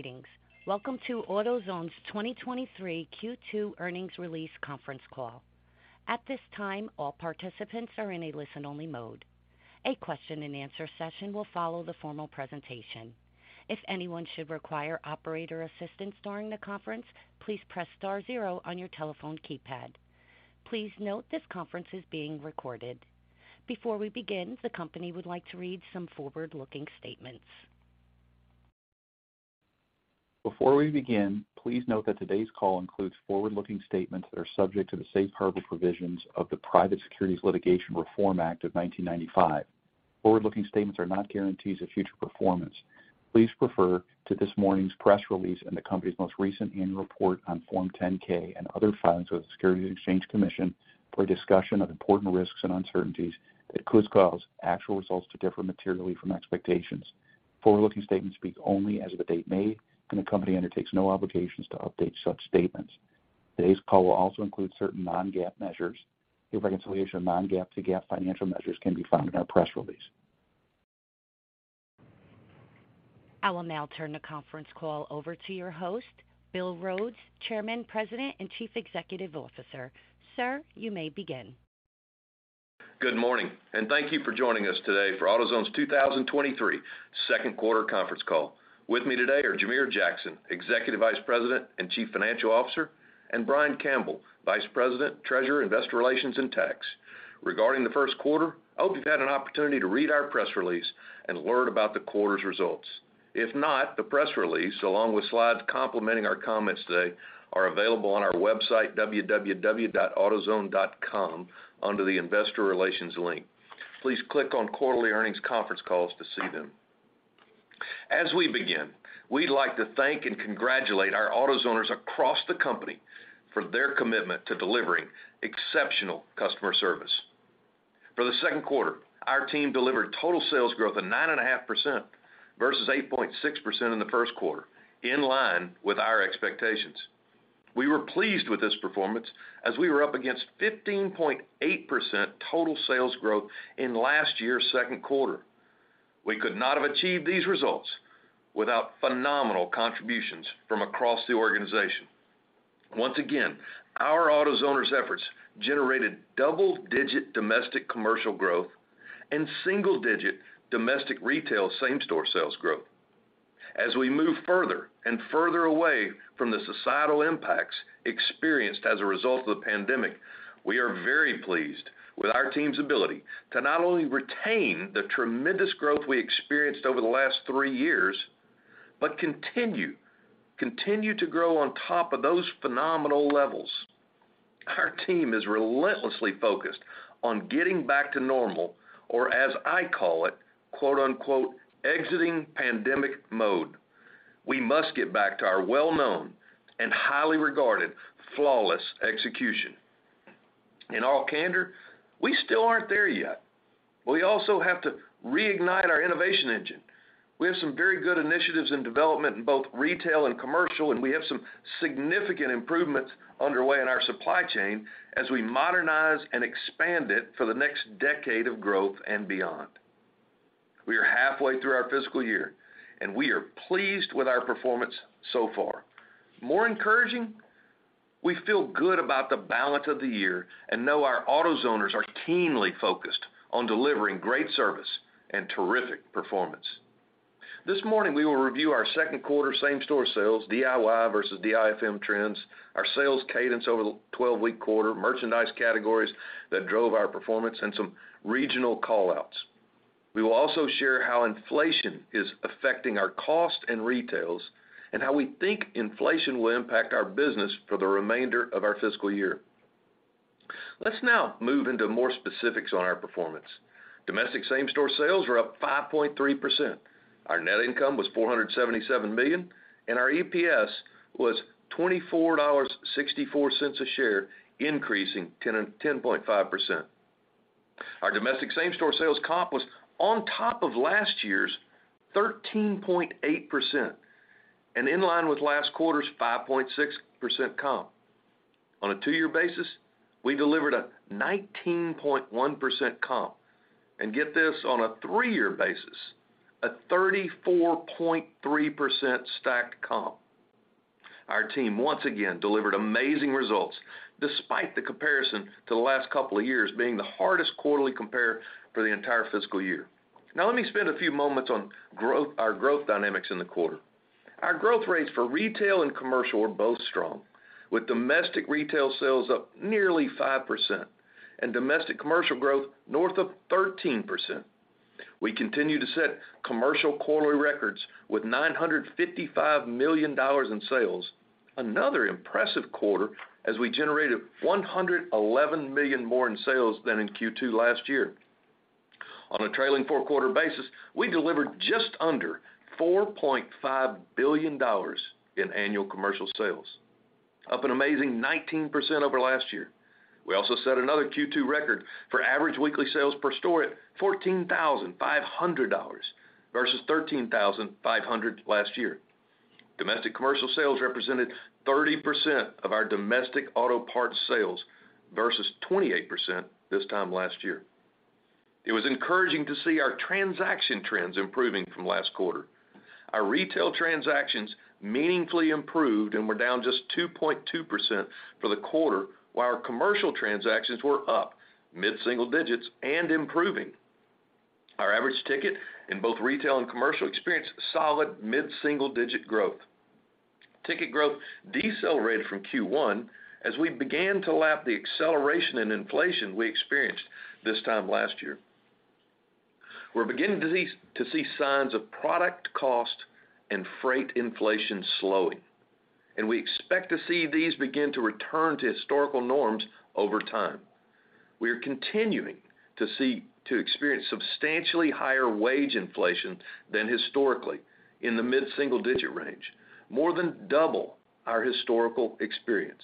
Greetings. Welcome to AutoZone's 2023 Q2 earnings release conference call. At this time, all participants are in a listen-only mode. A question-and-answer session will follow the formal presentation. If anyone should require operator assistance during the conference, please press star zero on your telephone keypad. Please note this conference is being recorded. Before we begin, the company would like to read some forward-looking statements. Before we begin, please note that today's call includes forward-looking statements that are subject to the safe harbor provisions of the Private Securities Litigation Reform Act of 1995. Forward-looking statements are not guarantees of future performance. Please refer to this morning's press release and the company's most recent annual report on Form 10-K and other filings with the Securities and Exchange Commission for a discussion of important risks and uncertainties that could cause actual results to differ materially from expectations. Forward-looking statements speak only as of the date made, and the company undertakes no obligations to update such statements. Today's call will also include certain non-GAAP measures. Your reconciliation of non-GAAP to GAAP financial measures can be found in our press release. I will now turn the conference call over to your host, Bill Rhodes, Chairman, President, and Chief Executive Officer. Sir, you may begin. Good morning. Thank you for joining us today for AutoZone's 2023 second quarter conference call. With me today are Jamere Jackson, Executive Vice President and Chief Financial Officer, and Brian Campbell, Vice President, Treasurer, Investor Relations, and Tax. Regarding the first quarter, I hope you've had an opportunity to read our press release and learn about the quarter's results. If not, the press release, along with slides complementing our comments today, are available on our website, www.autozone.com, under the Investor Relations link. Please click on Quarterly Earnings Conference Calls to see them. As we begin, we'd like to thank and congratulate our AutoZoners across the company for their commitment to delivering exceptional customer service. For the second quarter, our team delivered total sales growth of 9.5% versus 8.6% in the first quarter, in line with our expectations. We were pleased with this performance as we were up against 15.8% total sales growth in last year's second quarter. We could not have achieved these results without phenomenal contributions from across the organization. Once again, our AutoZoners' efforts generated double-digit domestic commercial growth and single-digit domestic retail same-store sales growth. As we move further and further away from the societal impacts experienced as a result of the pandemic, we are very pleased with our team's ability to not only retain the tremendous growth we experienced over the last three years, but continue to grow on top of those phenomenal levels. Our team is relentlessly focused on getting back to normal, or as I call it, quote-unquote, exiting pandemic mode. We must get back to our well-known and highly regarded flawless execution. In all candor, we still aren't there yet. We also have to reignite our innovation engine. We have some very good initiatives in development in both retail and commercial, and we have some significant improvements underway in our supply chain as we modernize and expand it for the next decade of growth and beyond. We are halfway through our fiscal year, and we are pleased with our performance so far. More encouraging, we feel good about the balance of the year and know our AutoZoners are keenly focused on delivering great service and terrific performance. This morning, we will review our second quarter same-store sales, DIY versus DIFM trends, our sales cadence over the 12-week quarter, merchandise categories that drove our performance, and some regional call-outs. We will also share how inflation is affecting our cost and retails and how we think inflation will impact our business for the remainder of our fiscal year. Let's now move into more specifics on our performance. Domestic same-store sales were up 5.3%. Our net income was $477 million, and our EPS was $24.64 a share, increasing 10.5%. Our domestic same-store sales comp was on top of last year's 13.8% and in line with last quarter's 5.6% comp. On a two-year basis, we delivered a 19.1% comp. Get this, on a three-year basis, a 34.3% stacked comp. Our team once again delivered amazing results despite the comparison to the last couple of years being the hardest quarterly compare for the entire fiscal year. Now let me spend a few moments on growth, our growth dynamics in the quarter. Our growth rates for retail and commercial are both strong, with domestic retail sales up nearly 5% and domestic commercial growth north of 13%. We continue to set commercial quarterly records with $955 million in sales. Another impressive quarter as we generated $111 million more in sales than in Q2 last year. On a trailing four-quarter basis, we delivered just under $4.5 billion in annual commercial sales, up an amazing 19% over last year. We also set another Q2 record for average weekly sales per store at $14,500 versus $13,500 last year. Domestic commercial sales represented 30% of our domestic auto parts sales versus 28% this time last year. It was encouraging to see our transaction trends improving from last quarter. Our retail transactions meaningfully improved and were down just 2.2% for the quarter, while our commercial transactions were up mid-single digits and improving. Our average ticket in both retail and commercial experienced solid mid-single-digit growth. Ticket growth decelerated from Q1 as we began to lap the acceleration in inflation we experienced this time last year. We're beginning to see signs of product cost and freight inflation slowing, and we expect to see these begin to return to historical norms over time. We are continuing to experience substantially higher wage inflation than historically in the mid-single digit range, more than double our historical experience.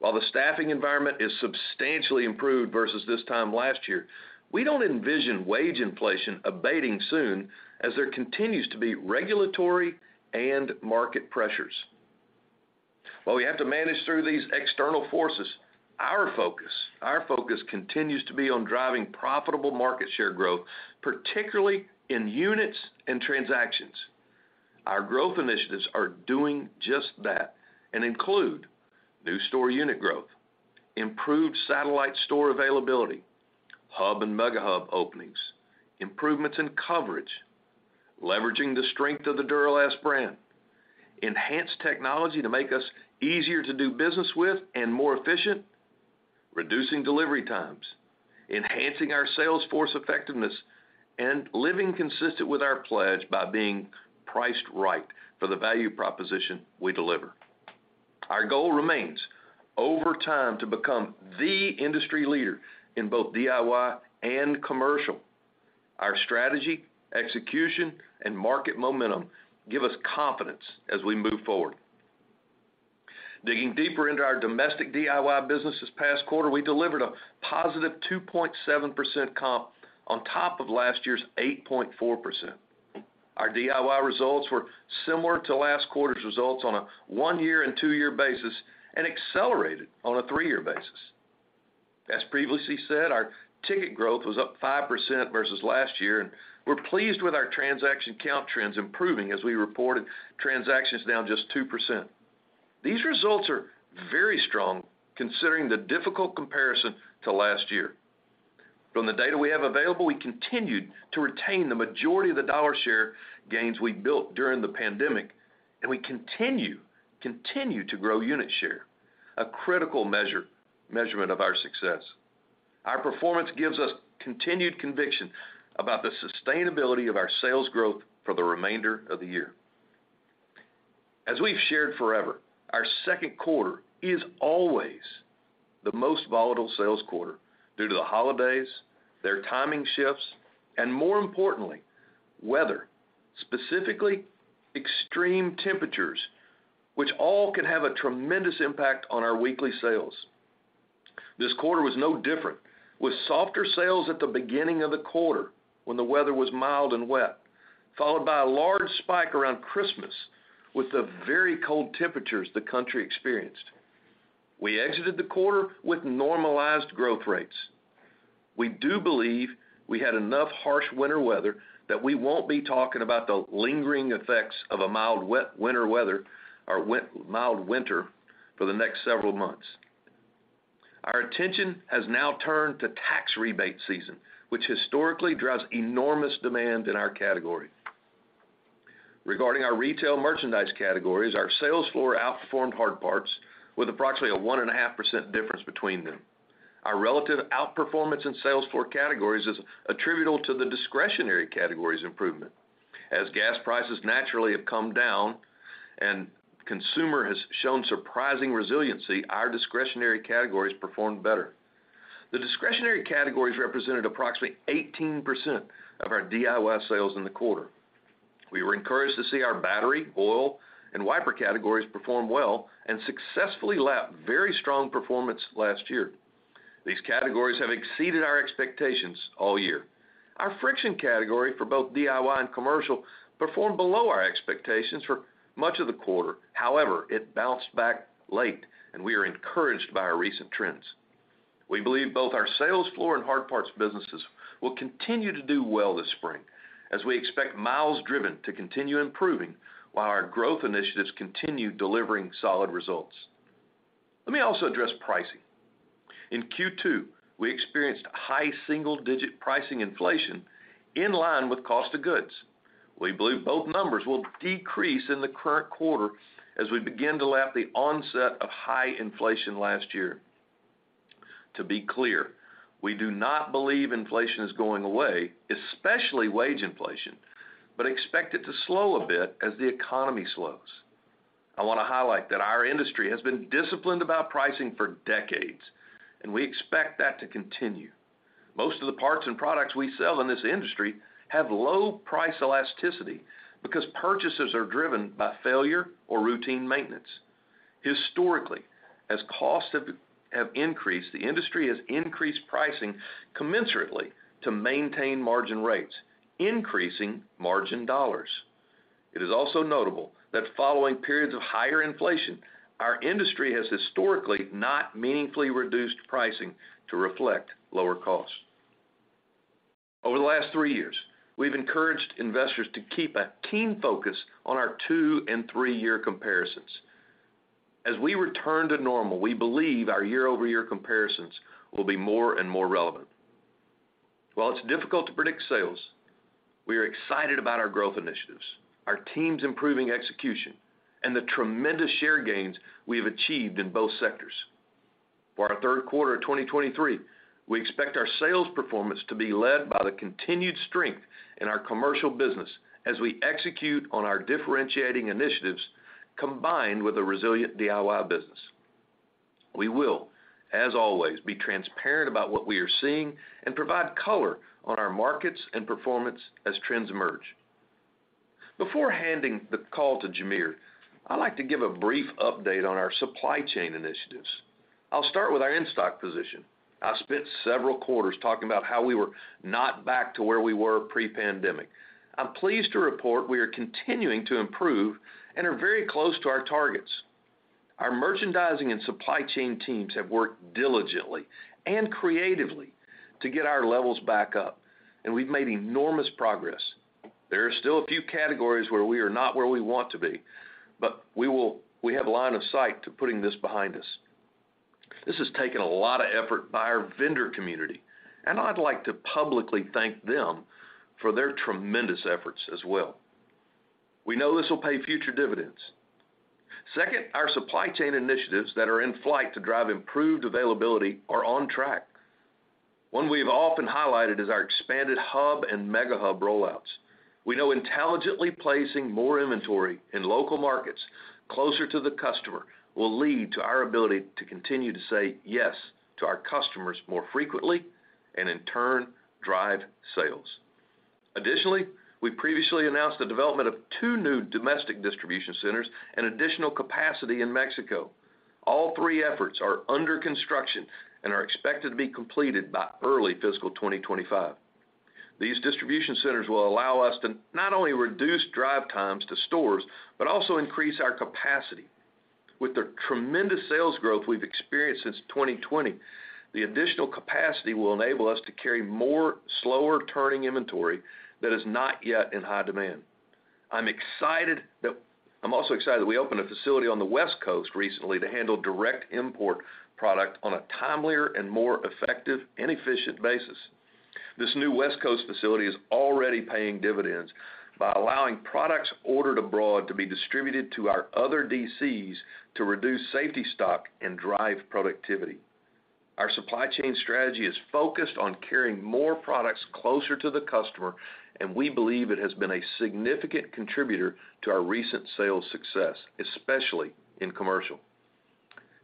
While the staffing environment is substantially improved versus this time last year, we don't envision wage inflation abating soon as there continues to be regulatory and market pressures. While we have to manage through these external forces, our focus continues to be on driving profitable market share growth, particularly in units and transactions. Our growth initiatives are doing just that and include new store unit growth, improved satellite store availability, hub and Mega Hub openings, improvements in coverage, leveraging the strength of the Duralast brand, enhanced technology to make us easier to do business with and more efficient, reducing delivery times, enhancing our sales force effectiveness, and living consistent with our pledge by being priced right for the value proposition we deliver. Our goal remains over time to become the industry leader in both DIY and commercial. Our strategy, execution, and market momentum give us confidence as we move forward. Digging deeper into our domestic DIY business this past quarter, we delivered a positive 2.7% comp on top of last year's 8.4%. Our DIY results were similar to last quarter's results on a one-year and two-year basis and accelerated on a three-year basis. As previously said, our ticket growth was up 5% versus last year, we're pleased with our transaction count trends improving as we reported transactions down just 2%. These results are very strong considering the difficult comparison to last year. From the data we have available, we continued to retain the majority of the dollar share gains we built during the pandemic, we continue to grow unit share, a critical measurement of our success. Our performance gives us continued conviction about the sustainability of our sales growth for the remainder of the year. We've shared forever, our second quarter is always the most volatile sales quarter due to the holidays, their timing shifts, and more importantly, weather, specifically extreme temperatures, which all can have a tremendous impact on our weekly sales. This quarter was no different, with softer sales at the beginning of the quarter when the weather was mild and wet, followed by a large spike around Christmas with the very cold temperatures the country experienced. We exited the quarter with normalized growth rates. We do believe we had enough harsh winter weather that we won't be talking about the lingering effects of a mild wet winter weather or mild winter for the next several months. Our attention has now turned to tax rebate season, which historically drives enormous demand in our category. Regarding our retail merchandise categories, our sales floor outperformed hard parts with approximately a 1.5% difference between them. Our relative outperformance in sales floor categories is attributable to the discretionary categories improvement. Gas prices naturally have come down and consumer has shown surprising resiliency, our discretionary categories performed better. The discretionary categories represented approximately 18% of our DIY sales in the quarter. We were encouraged to see our battery, oil, and wiper categories perform well and successfully lap very strong performance last year. These categories have exceeded our expectations all year. Our friction category for both DIY and commercial performed below our expectations for much of the quarter. It bounced back late, and we are encouraged by our recent trends. We believe both our sales floor and hard parts businesses will continue to do well this spring as we expect miles driven to continue improving while our growth initiatives continue delivering solid results. Let me also address pricing. In Q2, we experienced high single-digit pricing inflation in line with cost of goods. We believe both numbers will decrease in the current quarter as we begin to lap the onset of high inflation last year. To be clear, we do not believe inflation is going away, especially wage inflation, but expect it to slow a bit as the economy slows. I want to highlight that our industry has been disciplined about pricing for decades, and we expect that to continue. Most of the parts and products we sell in this industry have low price elasticity because purchases are driven by failure or routine maintenance. Historically, as costs have increased, the industry has increased pricing commensurately to maintain margin rates, increasing margin dollars. It is also notable that following periods of higher inflation, our industry has historically not meaningfully reduced pricing to reflect lower costs. Over the last three years, we've encouraged investors to keep a keen focus on our two and three-year comparisons. As we return to normal, we believe our year-over-year comparisons will be more and more relevant. While it's difficult to predict sales, we are excited about our growth initiatives, our teams improving execution, and the tremendous share gains we have achieved in both sectors. For our third quarter of 2023, we expect our sales performance to be led by the continued strength in our commercial business as we execute on our differentiating initiatives combined with a resilient DIY business. We will, as always, be transparent about what we are seeing and provide color on our markets and performance as trends emerge. Before handing the call to Jamere, I'd like to give a brief update on our supply chain initiatives. I'll start with our in-stock position. I spent several quarters talking about how we were not back to where we were pre-pandemic. I'm pleased to report we are continuing to improve and are very close to our targets. Our merchandising and supply chain teams have worked diligently and creatively to get our levels back up, and we've made enormous progress. There are still a few categories where we are not where we want to be. We have line of sight to putting this behind us. This has taken a lot of effort by our vendor community, and I'd like to publicly thank them for their tremendous efforts as well. Second, our supply chain initiatives that are in flight to drive improved availability are on track. One we've often highlighted is our expanded hub and Mega Hub rollouts. We know intelligently placing more inventory in local markets closer to the customer will lead to our ability to continue to say yes to our customers more frequently and in turn, drive sales. Additionally, we previously announced the development of two new domestic distribution centers and additional capacity in Mexico. All three efforts are under construction and are expected to be completed by early fiscal 2025. These distribution centers will allow us to not only reduce drive times to stores, but also increase our capacity. With the tremendous sales growth we've experienced since 2020, the additional capacity will enable us to carry more slower turning inventory that is not yet in high demand. I'm also excited that we opened a facility on the West Coast recently to handle direct import product on a timelier and more effective and efficient basis. This new West Coast facility is already paying dividends by allowing products ordered abroad to be distributed to our other DCs to reduce safety stock and drive productivity. Our supply chain strategy is focused on carrying more products closer to the customer, and we believe it has been a significant contributor to our recent sales success, especially in commercial.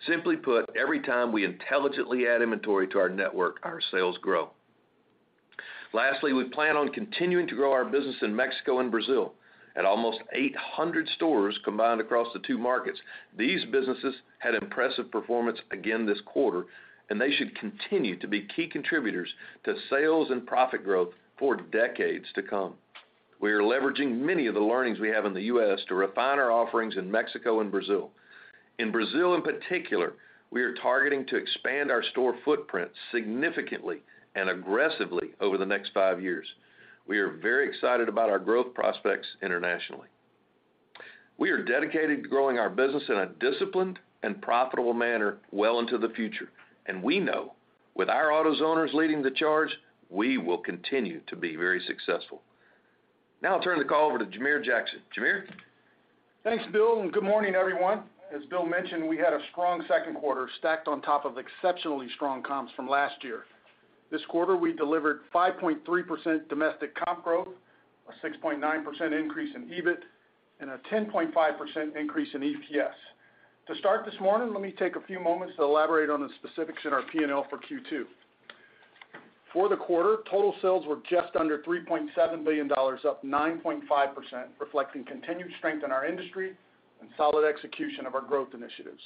Simply put, every time we intelligently add inventory to our network, our sales grow. Lastly, we plan on continuing to grow our business in Mexico and Brazil. At almost 800 stores combined across the two markets, these businesses had impressive performance again this quarter. They should continue to be key contributors to sales and profit growth for decades to come. We are leveraging many of the learnings we have in the U.S. to refine our offerings in Mexico and Brazil. In Brazil, in particular, we are targeting to expand our store footprint significantly and aggressively over the next five years. We are very excited about our growth prospects internationally. We are dedicated to growing our business in a disciplined and profitable manner well into the future. We know with our AutoZoners leading the charge, we will continue to be very successful. Now I'll turn the call over to Jamere Jackson. Jamere? Thanks, Bill, and good morning, everyone. As Bill mentioned, we had a strong second quarter stacked on top of exceptionally strong comps from last year. This quarter, we delivered 5.3% domestic comp growth, a 6.9% increase in EBIT, and a 10.5% increase in EPS. To start this morning, let me take a few moments to elaborate on the specifics in our P&L for Q2. For the quarter, total sales were just under $3.7 billion, up 9.5%, reflecting continued strength in our industry and solid execution of our growth initiatives.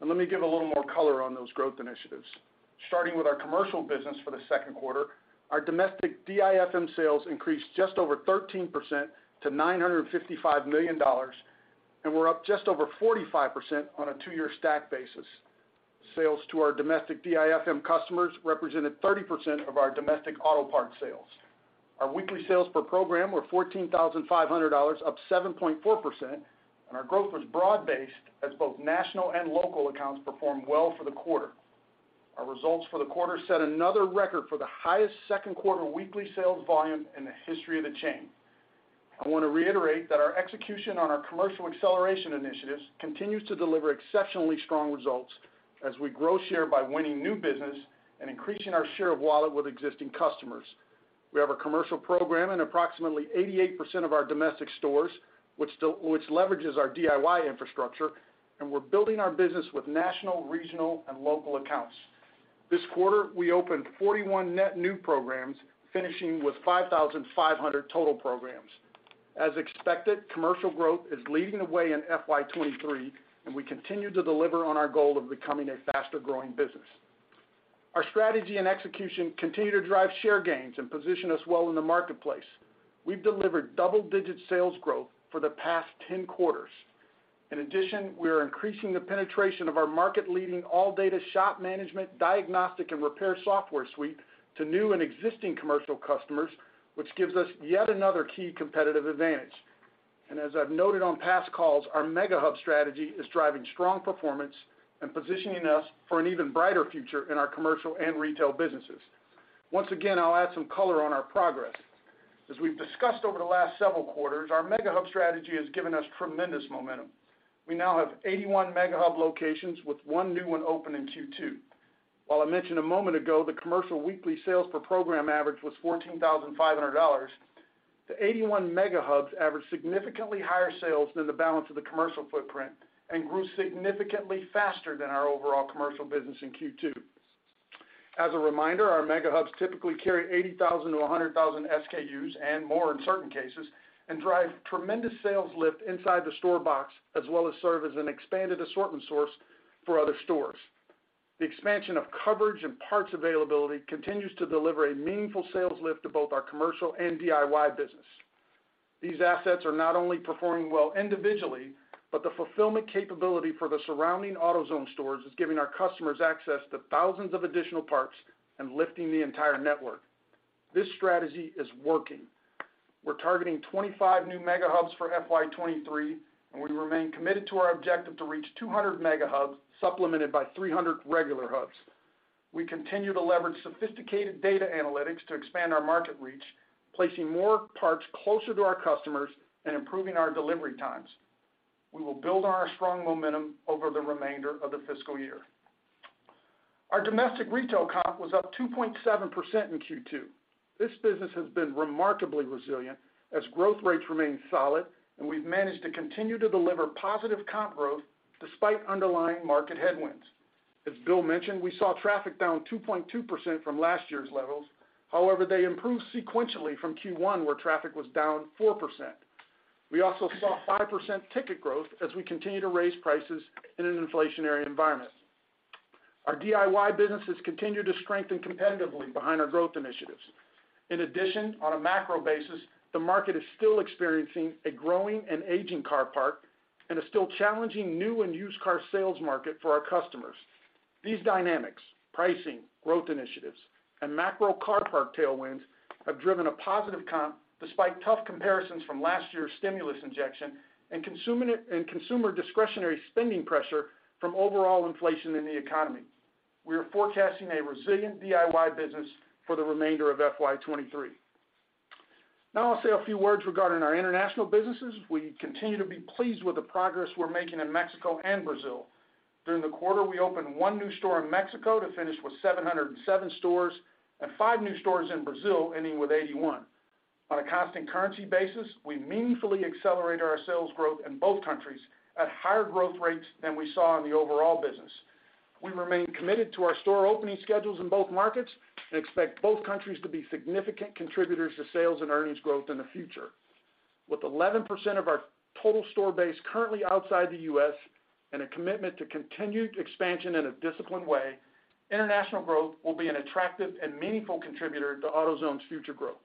Let me give a little more color on those growth initiatives. Starting with our commercial business for the second quarter, our domestic DIFM sales increased just over 13% to $955 million, and were up just over 45% on a two-year stack basis. Sales to our domestic DIFM customers represented 30% of our domestic auto part sales. Our weekly sales per program were $14,500, up 7.4%, and our growth was broad-based as both national and local accounts performed well for the quarter. Our results for the quarter set another record for the highest second quarter weekly sales volume in the history of the chain. I wanna reiterate that our execution on our commercial acceleration initiatives continues to deliver exceptionally strong results as we grow share by winning new business and increasing our share of wallet with existing customers. We have a commercial program in approximately 88% of our domestic stores, which leverages our DIY infrastructure. We're building our business with national, regional, and local accounts. This quarter, we opened 41 net new programs, finishing with 5,500 total programs. As expected, commercial growth is leading the way in FY 2023. We continue to deliver on our goal of becoming a faster-growing business. Our strategy and execution continue to drive share gains and position us well in the marketplace. We've delivered double-digit sales growth for the past 10 quarters. In addition, we are increasing the penetration of our market-leading ALLDATA shop management diagnostic and repair software suite to new and existing commercial customers, which gives us yet another key competitive advantage. As I've noted on past calls, our Mega Hub strategy is driving strong performance and positioning us for an even brighter future in our commercial and retail businesses. Once again, I'll add some color on our progress. As we've discussed over the last several quarters, our Mega Hub strategy has given us tremendous momentum. We now have 81 Mega Hub locations with one new one open in Q2. While I mentioned a moment ago, the commercial weekly sales per program average was $14,500, the 81 Mega Hubs averaged significantly higher sales than the balance of the commercial footprint and grew significantly faster than our overall commercial business in Q2. As a reminder, our Mega Hubs typically carry 80,000 to 100,000 SKUs and more in certain cases and drive tremendous sales lift inside the store box, as well as serve as an expanded assortment source for other stores. The expansion of coverage and parts availability continues to deliver a meaningful sales lift to both our commercial and DIY business. These assets are not only performing well individually, but the fulfillment capability for the surrounding AutoZone stores is giving our customers access to thousands of additional parts and lifting the entire network. This strategy is working. We're targeting 25 new Mega Hubs for FY 2023, and we remain committed to our objective to reach 200 Mega Hubs, supplemented by 300 regular hubs. We continue to leverage sophisticated data analytics to expand our market reach, placing more parts closer to our customers and improving our delivery times. We will build on our strong momentum over the remainder of the fiscal year. Our domestic retail comp was up 2.7% in Q2. This business has been remarkably resilient as growth rates remain solid, and we've managed to continue to deliver positive comp growth despite underlying market headwinds. As Bill mentioned, we saw traffic down 2.2% from last year's levels. However, they improved sequentially from Q1, where traffic was down 4%. We also saw 5% ticket growth as we continue to raise prices in an inflationary environment. Our DIY businesses continue to strengthen competitively behind our growth initiatives. In addition, on a macro basis, the market is still experiencing a growing and aging car park and a still challenging new and used car sales market for our customers. These dynamics, pricing, growth initiatives, and macro car park tailwinds have driven a positive comp despite tough comparisons from last year's stimulus injection and consumer discretionary spending pressure from overall inflation in the economy. We are forecasting a resilient DIY business for the remainder of FY 2023. I'll say a few words regarding our international businesses. We continue to be pleased with the progress we're making in Mexico and Brazil. During the quarter, we opened one new store in Mexico to finish with 707 stores and five new stores in Brazil, ending with 81. On a constant currency basis, we meaningfully accelerate our sales growth in both countries at higher growth rates than we saw in the overall business. We remain committed to our store opening schedules in both markets and expect both countries to be significant contributors to sales and earnings growth in the future. With 11% of our total store base currently outside the U.S. and a commitment to continued expansion in a disciplined way, international growth will be an attractive and meaningful contributor to AutoZone's future growth.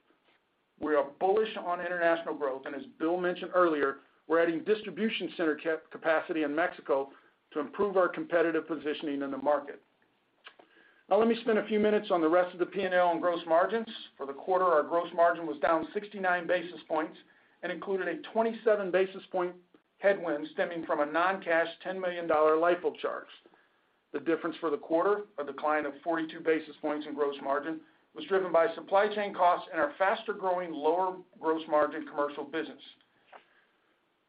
We are bullish on international growth, and as Bill mentioned earlier, we're adding distribution center capacity in Mexico to improve our competitive positioning in the market. Now let me spend a few minutes on the rest of the P&L and gross margins. For the quarter, our gross margin was down 69 basis points and included a 27 basis point headwind stemming from a non-cash $10 million LIFO charge. The difference for the quarter, a decline of 42 basis points in gross margin, was driven by supply chain costs and our faster-growing, lower gross margin commercial business.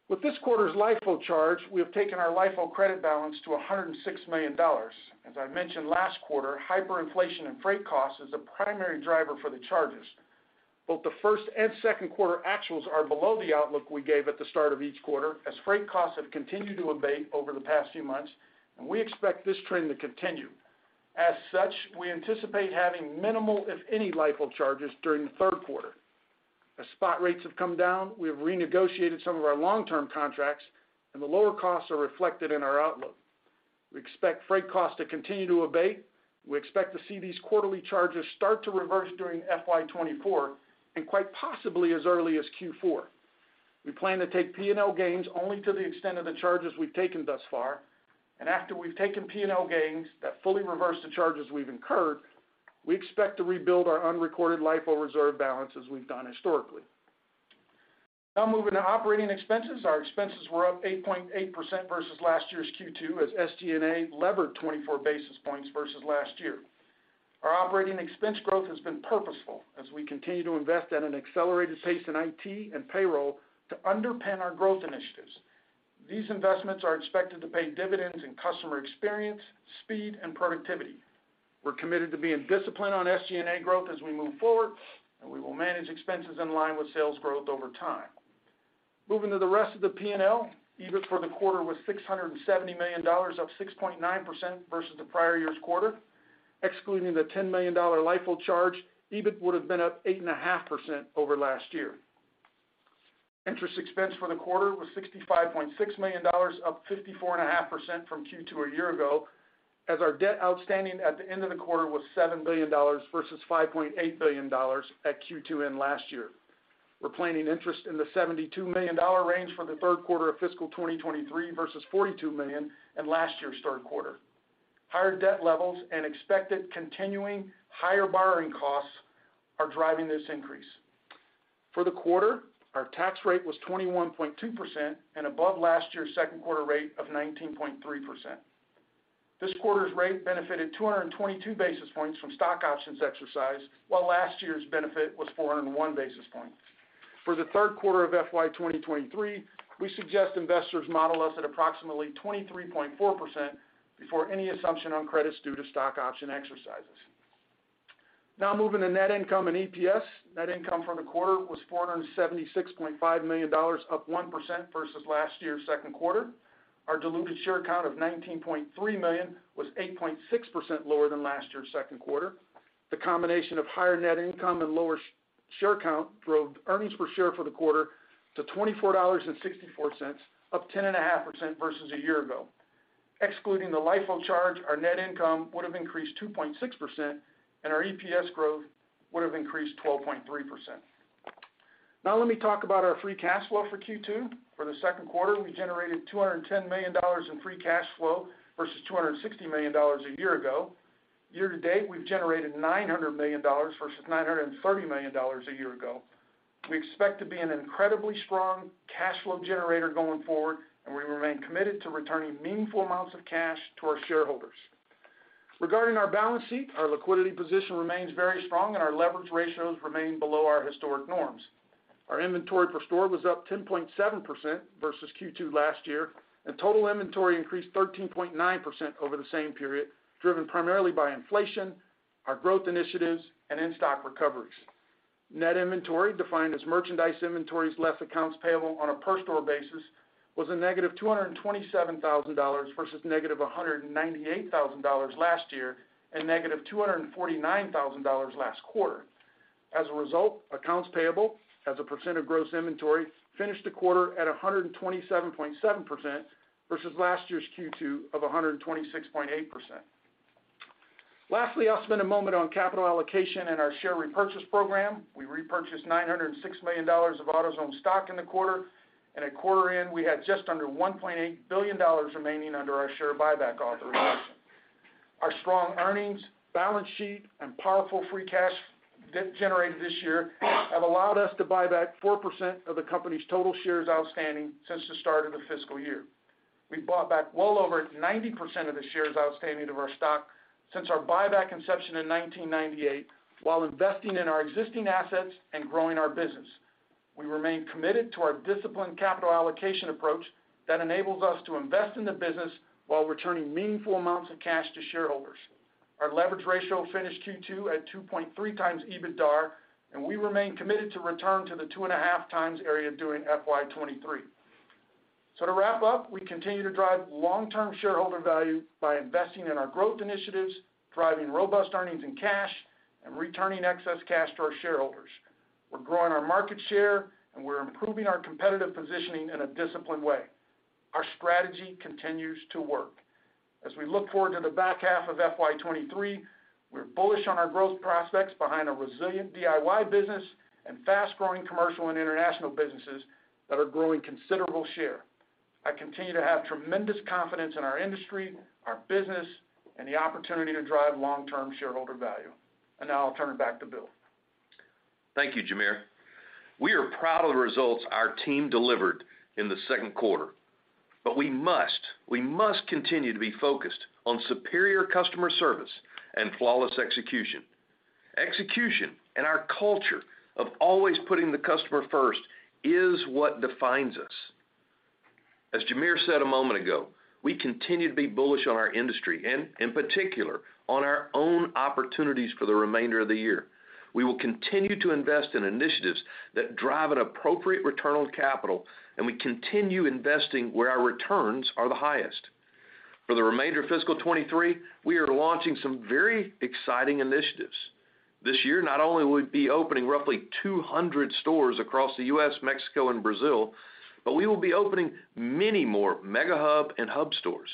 With this quarter's LIFO charge, we have taken our LIFO credit balance to $106 million. As I mentioned last quarter, hyperinflation and freight costs is the primary driver for the charges. Both the first and second quarter actuals are below the outlook we gave at the start of each quarter as freight costs have continued to abate over the past few months, and we expect this trend to continue. As such, we anticipate having minimal, if any, LIFO charges during the third quarter. As spot rates have come down, we have renegotiated some of our long-term contracts, and the lower costs are reflected in our outlook. We expect freight costs to continue to abate. We expect to see these quarterly charges start to reverse during FY 2024 and quite possibly as early as Q4. We plan to take P&L gains only to the extent of the charges we've taken thus far. After we've taken P&L gains that fully reverse the charges we've incurred, we expect to rebuild our unrecorded LIFO reserve balance as we've done historically. Moving to operating expenses. Our expenses were up 8.8% versus last year's Q2 as SG&A levered 24 basis points versus last year. Our operating expense growth has been purposeful as we continue to invest at an accelerated pace in IT and payroll to underpin our growth initiatives. These investments are expected to pay dividends in customer experience, speed, and productivity. We're committed to being disciplined on SG&A growth as we move forward, and we will manage expenses in line with sales growth over time. Moving to the rest of the P&L, EBIT for the quarter was $670 million, up 6.9% versus the prior year's quarter. Excluding the $10 million LIFO charge, EBIT would have been up 8.5% over last year. Interest expense for the quarter was $65.6 million, up 54.5% from Q2 a year ago, as our debt outstanding at the end of the quarter was $7 billion versus $5.8 billion at Q2 end last year. We're planning interest in the $72 million range for the third quarter of FY 2023 versus $42 million in last year's third quarter. Higher debt levels and expected continuing higher borrowing costs are driving this increase. For the quarter, our tax rate was 21.2% and above last year's second quarter rate of 19.3%. This quarter's rate benefited 222 basis points from stock options exercised, while last year's benefit was 401 basis points. For the third quarter of FY 2023, we suggest investors model us at approximately 23.4% before any assumption on credits due to stock option exercises. Moving to net income and EPS. Net income from the quarter was $476.5 million, up 1% versus last year's second quarter. Our diluted share count of 19.3 million was 8.6% lower than last year's second quarter. The combination of higher net income and lower share count drove earnings per share for the quarter to $24.64, up 10.5% versus a year ago. Excluding the LIFO charge, our net income would have increased 2.6% and our EPS growth would have increased 12.3%. Let me talk about our free cash flow for Q2. For the second quarter, we generated $210 million in free cash flow versus $260 million a year ago. Year-to-date, we've generated $900 million versus $930 million a year ago. We expect to be an incredibly strong cash flow generator going forward, and we remain committed to returning meaningful amounts of cash to our shareholders. Regarding our balance sheet, our liquidity position remains very strong and our leverage ratios remain below our historic norms. Our inventory per store was up 10.7% versus Q2 last year, and total inventory increased 13.9% over the same period, driven primarily by inflation, our growth initiatives, and in-stock recoveries. Net inventory, defined as merchandise inventories less accounts payable on a per store basis, was a negative $227,000 versus negative $198,000 last year and negative $249,000 last quarter. As a result, accounts payable as a percent of gross inventory finished the quarter at 127.7% versus last year's Q2 of 126.8%. Lastly, I'll spend a moment on capital allocation and our share repurchase program. We repurchased $906 million of AutoZone stock in the quarter. At quarter end, we had just under $1.8 billion remaining under our share buyback authorization. Our strong earnings, balance sheet, and powerful free cash generated this year have allowed us to buy back 4% of the company's total shares outstanding since the start of the fiscal year. We've bought back well over 90% of the shares outstanding of our stock since our buyback inception in 1998 while investing in our existing assets and growing our business. We remain committed to our disciplined capital allocation approach that enables us to invest in the business while returning meaningful amounts of cash to shareholders. Our leverage ratio finished Q2 at 2.3x EBITDAR. We remain committed to return to the 2.5x area during FY 2023. To wrap up, we continue to drive long-term shareholder value by investing in our growth initiatives, driving robust earnings and cash, and returning excess cash to our shareholders. We're growing our market share, and we're improving our competitive positioning in a disciplined way. Our strategy continues to work. As we look forward to the back half of FY 2023, we're bullish on our growth prospects behind a resilient DIY business and fast-growing commercial and international businesses that are growing considerable share. I continue to have tremendous confidence in our industry, our business, and the opportunity to drive long-term shareholder value. Now I'll turn it back to Bill. Thank you, Jamere. We are proud of the results our team delivered in the second quarter, but we must continue to be focused on superior customer service and flawless execution. Execution. Our culture of always putting the customer first is what defines us. As Jamere said a moment ago, we continue to be bullish on our industry and, in particular, on our own opportunities for the remainder of the year. We will continue to invest in initiatives that drive an appropriate return on capital, and we continue investing where our returns are the highest. For the remainder of fiscal 2023, we are launching some very exciting initiatives. This year, not only will we be opening roughly 200 stores across the U.S., Mexico, and Brazil, but we will be opening many more Mega Hub and Hub stores.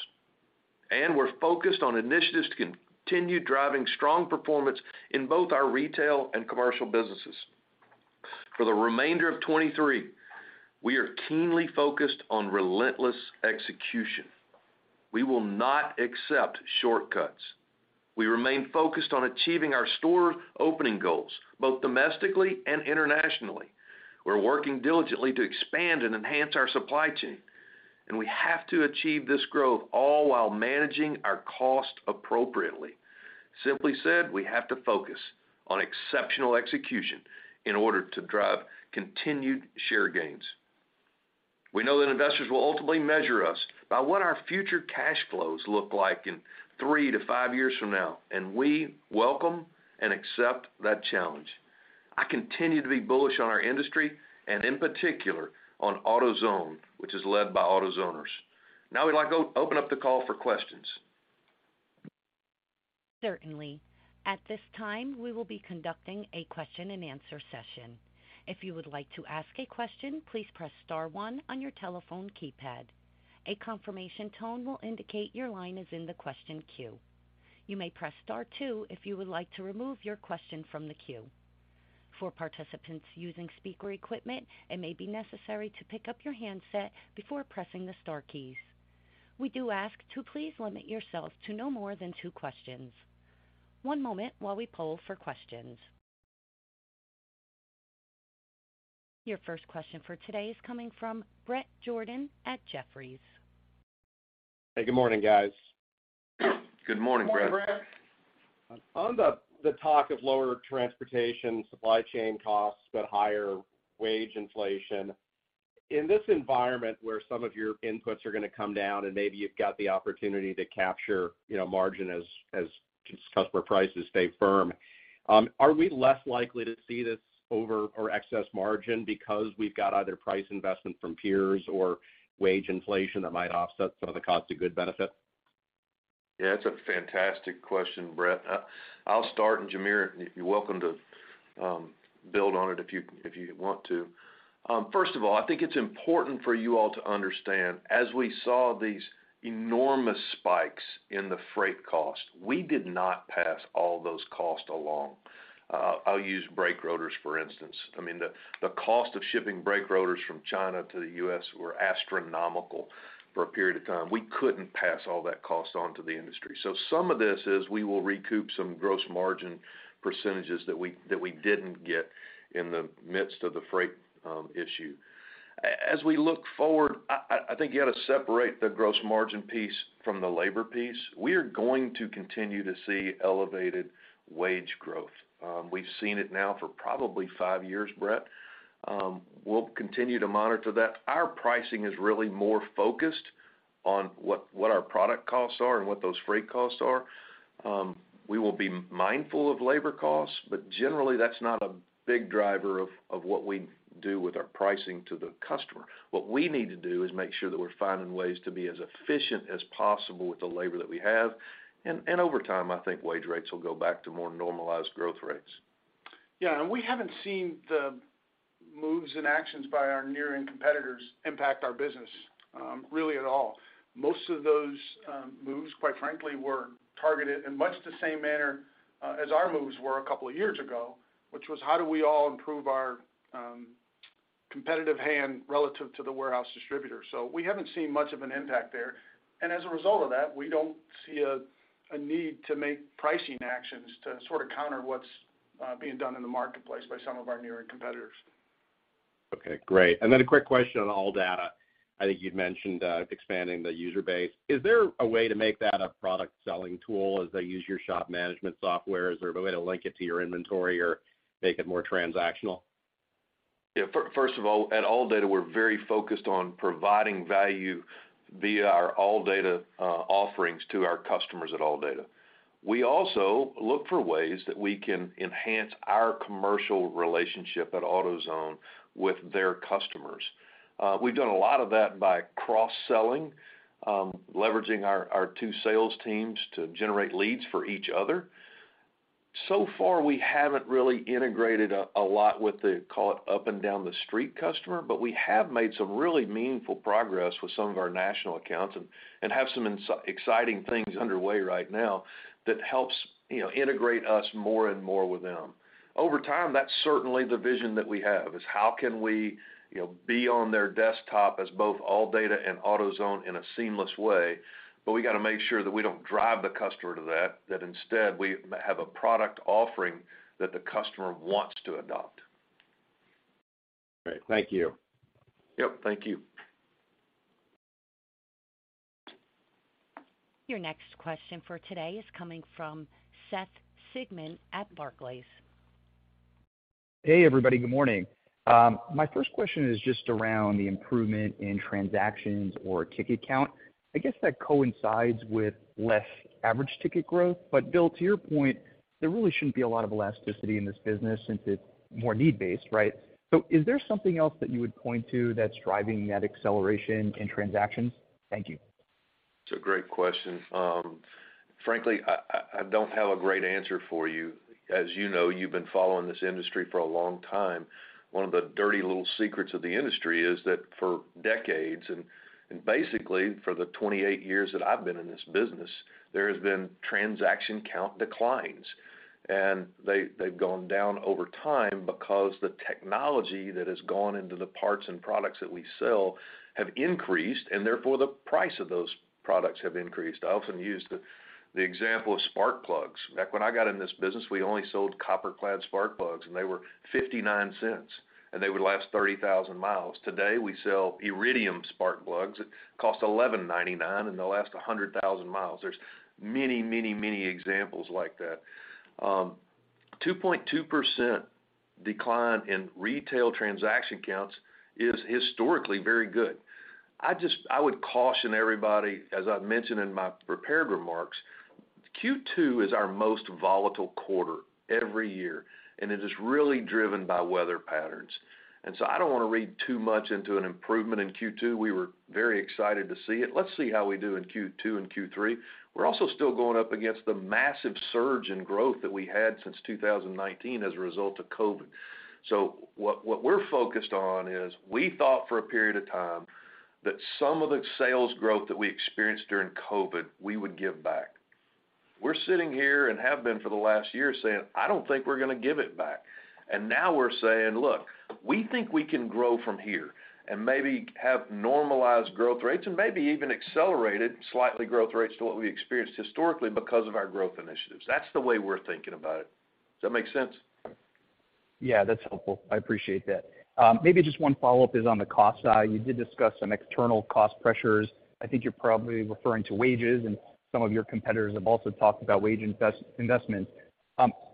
We're focused on initiatives to continue driving strong performance in both our retail and commercial businesses. For the remainder of 2023, we are keenly focused on relentless execution. We will not accept shortcuts. We remain focused on achieving our store opening goals, both domestically and internationally. We're working diligently to expand and enhance our supply chain, and we have to achieve this growth all while managing our cost appropriately. Simply said, we have to focus on exceptional execution in order to drive continued share gains. We know that investors will ultimately measure us by what our future cash flows look like in three to five years from now, and we welcome and accept that challenge. I continue to be bullish on our industry and, in particular, on AutoZone, which is led by AutoZoners. Now we'd like to open up the call for questions. Certainly. At this time, we will be conducting a question-and-answer session. If you would like to ask a question, please press star one on your telephone keypad. A confirmation tone will indicate your line is in the question queue. You may press star two if you would like to remove your question from the queue. For participants using speaker equipment, it may be necessary to pick up your handset before pressing the star keys. We do ask to please limit yourself to no more than two questions. One moment while we poll for questions. Your first question for today is coming from Bret Jordan at Jefferies. Hey, good morning, guys. Good morning, Bret. Good morning, Bret. On the talk of lower transportation supply chain costs, but higher wage inflation. In this environment where some of your inputs are gonna come down and maybe you've got the opportunity to capture, you know, margin as customer prices stay firm, are we less likely to see this over or excess margin because we've got either price investment from peers or wage inflation that might offset some of the cost of good benefit? That's a fantastic question, Bret. I'll start, and Jamere, you're welcome to build on it if you want to. First of all, I think it's important for you all to understand as we saw these enormous spikes in the freight cost, we did not pass all those costs along. I'll use brake rotors, for instance. I mean, the cost of shipping brake rotors from China to the U.S. were astronomical for a period of time. We couldn't pass all that cost on to the industry. Some of this is we will recoup some gross margin percentages that we didn't get in the midst of the freight issue. As we look forward, I think you gotta separate the gross margin piece from the labor piece. We are going to continue to see elevated wage growth. We've seen it now for probably five years, Bret. We'll continue to monitor that. Our pricing is really more focused on what our product costs are and what those freight costs are. We will be mindful of labor costs, but generally, that's not a big driver of what we do with our pricing to the customer. What we need to do is make sure that we're finding ways to be as efficient as possible with the labor that we have. Over time, I think wage rates will go back to more normalized growth rates. We haven't seen the moves and actions by our near-term competitors impact our business, really at all. Most of those moves, quite frankly, were targeted in much the same manner, as our moves were a couple of years ago, which was how do we all improve our competitive hand relative to the warehouse distributor. We haven't seen much of an impact there. As a result of that, we don't see a need to make pricing actions to sort of counter what's being done in the marketplace by some of our near-term competitors. Okay, great. A quick question on ALLDATA. I think you'd mentioned expanding the user base. Is there a way to make that a product selling tool as they use your shop management software? Is there a way to link it to your inventory or make it more transactional? Yeah. First of all, at ALLDATA, we're very focused on providing value via our ALLDATA offerings to our customers at ALLDATA. We also look for ways that we can enhance our commercial relationship at AutoZone with their customers. We've done a lot of that by cross-selling, leveraging our two sales teams to generate leads for each other. So far, we haven't really integrated a lot with the call it up and down the street customer, but we have made some really meaningful progress with some of our national accounts and have some exciting things underway right now that helps, you know, integrate us more and more with them. Over time, that's certainly the vision that we have, is how can we, you know, be on their desktop as both ALLDATA and AutoZone in a seamless way. We gotta make sure that we don't drive the customer to that instead, we have a product offering that the customer wants to adopt. Great. Thank you. Yep, thank you. Your next question for today is coming from Seth Sigman at Barclays. Hey, everybody. Good morning. My first question is just around the improvement in transactions or ticket count. I guess that coincides with less average ticket growth. Bill, to your point, there really shouldn't be a lot of elasticity in this business since it's more need-based, right? Is there something else that you would point to that's driving that acceleration in transactions? Thank you. It's a great question. Frankly, I don't have a great answer for you. As you know, you've been following this industry for a long time. One of the dirty little secrets of the industry is that for decades, and basically for the 28 years that I've been in this business, there has been transaction count declines. They've gone down over time because the technology that has gone into the parts and products that we sell have increased, and therefore, the price of those products have increased. I often use the example of spark plugs. Back when I got in this business, we only sold copper-clad spark plugs, and they were $0.59, and they would last 30,000 miles. Today, we sell iridium spark plugs that cost $11.99, and they'll last 100,000 miles. There's many examples like that. 2.2% decline in retail transaction counts is historically very good. I would caution everybody, as I mentioned in my prepared remarks. Q2 is our most volatile quarter every year, and it is really driven by weather patterns. I don't wanna read too much into an improvement in Q2. We were very excited to see it. Let's see how we do in Q2 and Q3. We're also still going up against the massive surge in growth that we had since 2019 as a result of COVID. What we're focused on is we thought for a period of time that some of the sales growth that we experienced during COVID, we would give back. We're sitting here and have been for the last year saying, "I don't think we're gonna give it back." Now we're saying, "Look, we think we can grow from here and maybe have normalized growth rates and maybe even accelerated slightly growth rates to what we experienced historically because of our growth initiatives." That's the way we're thinking about it. Does that make sense? Yeah, that's helpful. I appreciate that. Maybe just one follow-up is on the cost side. You did discuss some external cost pressures. I think you're probably referring to wages, and some of your competitors have also talked about wage investment.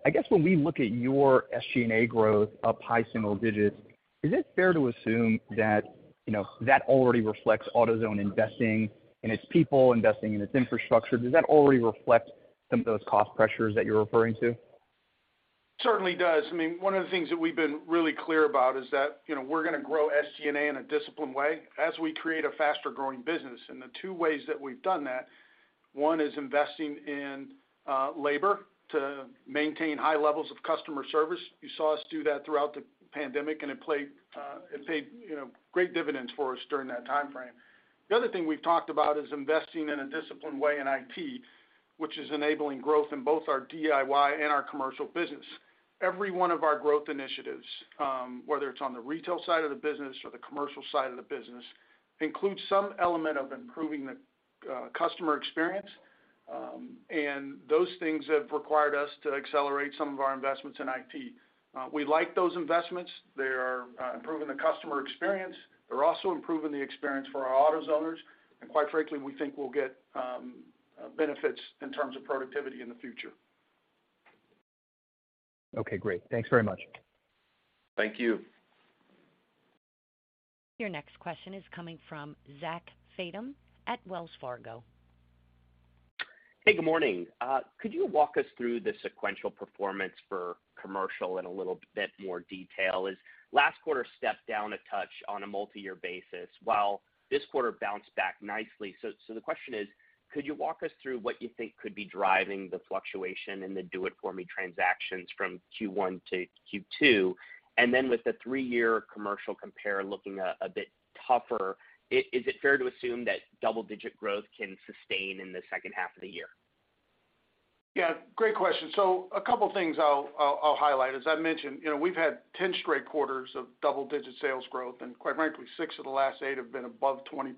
I guess when we look at your SG&A growth up high single digits, is it fair to assume that, you know, that already reflects AutoZone investing in its people, investing in its infrastructure? Does that already reflect some of those cost pressures that you're referring to? Certainly does. I mean, one of the things that we've been really clear about is that, you know, we're gonna grow SG&A in a disciplined way as we create a faster-growing business. The two ways that we've done that, one is investing in labor to maintain high levels of customer service. You saw us do that throughout the pandemic, it paid, you know, great dividends for us during that timeframe. The other thing we've talked about is investing in a disciplined way in IT, which is enabling growth in both our DIY and our commercial business. Every one of our growth initiatives, whether it's on the retail side of the business or the commercial side of the business, includes some element of improving the customer experience, those things have required us to accelerate some of our investments in IT. We like those investments. They are improving the customer experience. They're also improving the experience for our AutoZoners, and quite frankly, we think we'll get benefits in terms of productivity in the future. Okay, great. Thanks very much. Thank you. Your next question is coming from Zach Fadem at Wells Fargo. Hey, good morning. Could you walk us through the sequential performance for commercial in a little bit more detail? As last quarter stepped down a touch on a multi-year basis, while this quarter bounced back nicely. The question is, could you walk us through what you think could be driving the fluctuation in the Do It For Me transactions from Q1 to Q2? Then with the three-year commercial compare looking a bit tougher, is it fair to assume that double-digit growth can sustain in the second half of the year? Yeah, great question. A couple things I'll highlight. As I mentioned, you know, we've had 10 straight quarters of double-digit sales growth, and quite frankly, six of the last eight have been above 20%.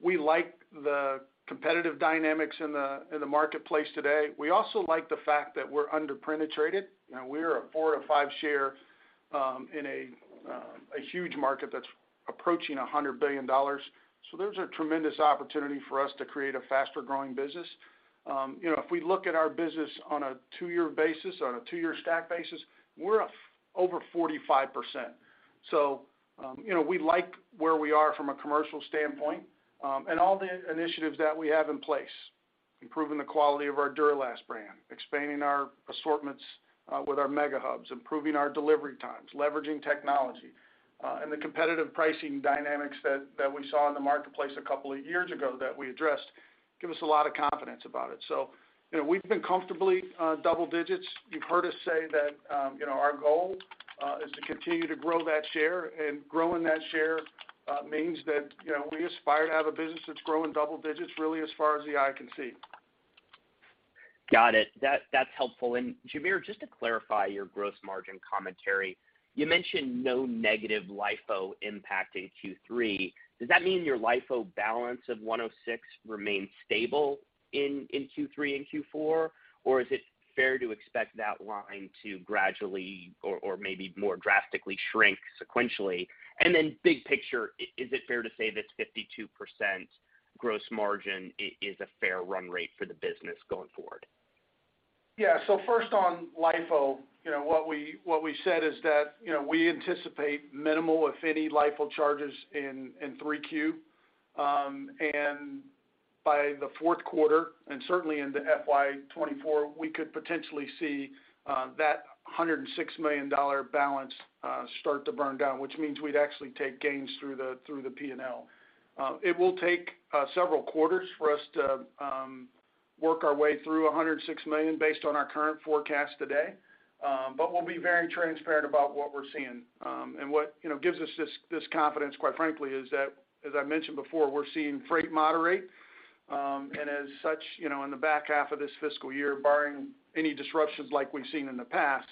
We like the competitive dynamics in the marketplace today. We also like the fact that we're under-penetrated. You know, we are a four out of five share in a huge market that's approaching $100 billion. There's a tremendous opportunity for us to create a faster-growing business. You know, if we look at our business on a two-year basis, on a two-year stack basis, we're over 45%. You know, we like where we are from a commercial standpoint, and all the initiatives that we have in place, improving the quality of our Duralast brand, expanding our assortments, with our Mega Hubs, improving our delivery times, leveraging technology, and the competitive pricing dynamics that we saw in the marketplace a couple of years ago that we addressed, give us a lot of confidence about it. You know, we've been comfortably double digits. You've heard us say that, you know, our goal is to continue to grow that share, and growing that share means that, you know, we aspire to have a business that's growing double digits really as far as the eye can see. Got it. That's helpful. Jamere, just to clarify your gross margin commentary, you mentioned no negative LIFO impact in Q3. Does that mean your LIFO balance of $106 remains stable in Q3 and Q4? Or is it fair to expect that line to gradually or maybe more drastically shrink sequentially? Big picture, is it fair to say this 52% gross margin is a fair run rate for the business going forward? First on LIFO, you know, what we, what we said is that, you know, we anticipate minimal, if any, LIFO charges in 3Q. And by the fourth quarter, and certainly into FY 2024, we could potentially see that $106 million balance start to burn down, which means we'd actually take gains through the P&L. It will take several quarters for us to work our way through $106 million based on our current forecast today, but we'll be very transparent about what we're seeing. And what, you know, gives us this confidence, quite frankly, is that, as I mentioned before, we're seeing freight moderate. As such, you know, in the back half of this fiscal year, barring any disruptions like we've seen in the past,